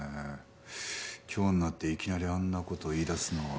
今日になっていきなりあんな事言いだすのは。